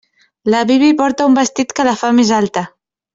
La Bibi porta un vestit que la fa més alta.